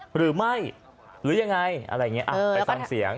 หรือไม่หรือยังไงอะไรอย่างเงี้ยเออไปฟังเสียง